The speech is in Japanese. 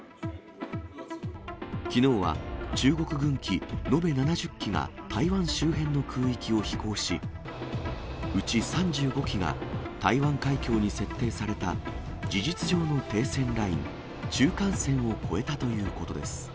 きのうは中国軍機延べ７０機が台湾周辺の空域を飛行し、うち３５機が台湾海峡に設定された事実上の停戦ライン、中間線を越えたということです。